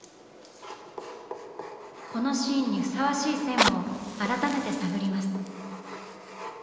このシーンにふさわしい線を改めて探ります。